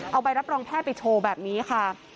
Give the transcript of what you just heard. เอาใบรับรองแพทย์ไปโชว์แบบนี้ค่ะ